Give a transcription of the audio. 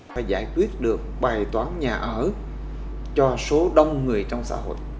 phải giải quyết được bài toán nhà ở cho số đông người trong xã hội